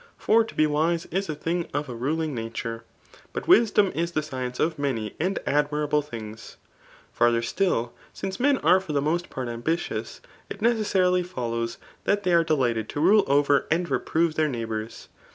For to be wise is a thing of a ruling nature. But wi^om is the science of many and admirable things. Farther 8^1, since men are for the most part ambitious, it neces sarily follows diat they are delighted to rule over and ¥eprove their naghbours.'